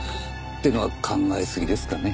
ってのは考えすぎですかね？